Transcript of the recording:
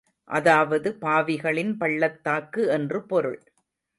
அதாவது பாவிகளின் பள்ளத்தாக்கு என்று பொருள்